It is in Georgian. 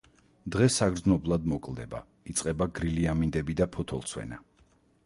დღე საგრძნობლად მოკლდება, იწყება გრილი ამინდები და ფოთოლცვენა.